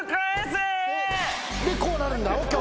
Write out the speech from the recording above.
でこうなるんだ。